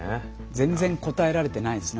全然答えられてないですね